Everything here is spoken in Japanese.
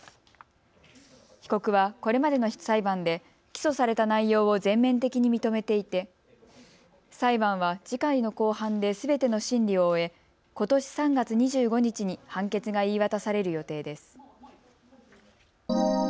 被告はこれまでの裁判で起訴された内容を全面的に認めていて裁判は次回の公判ですべての審理を終えことし３月２５日に判決が言い渡される予定です。